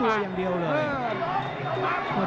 ทิ้งตัวอย่างเดียวเลย